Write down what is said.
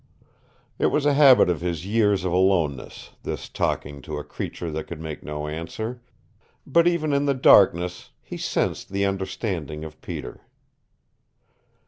It was a habit of his years of aloneness, this talking to a creature that could make no answer. But even in the darkness he sensed the understanding of Peter.